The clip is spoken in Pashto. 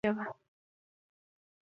ښوونځی نن تړل شوی و.